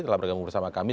telah bergabung bersama kami